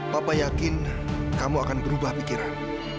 papa yakin kamu akan berubah pikiran